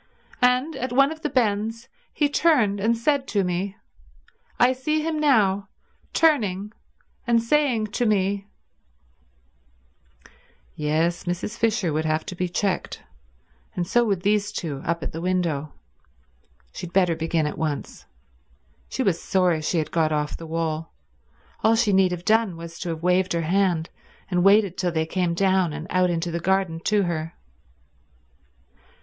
And at one of the bends he turned and said to me—I see him now turning and saying to me—" Yes, Mrs. Fisher would have to be checked. And so would these two up at the window. She had better begin at once. She was sorry she had got off the wall. All she need have done was to have waved her hand, and waited till they came down and out into the garden to her.